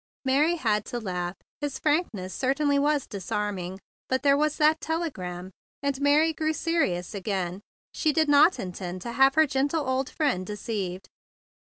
Mary had to laugh. His frankness certainly was disarming. But there was that telegram! And Mary grew serious again. She did not intend to have her gentle old friend deceived.